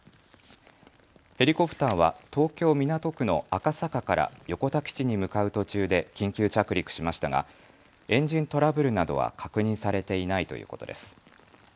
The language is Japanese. ヘリコプターは東京港区の赤坂から横田基地に向かう途中で緊急着陸しましたがエンジントラブルなどは確認されていないということです。